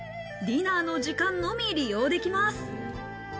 ディナーの時間のみ利用できます。